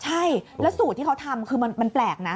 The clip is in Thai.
ใช่แล้วสูตรที่เขาทำคือมันแปลกนะ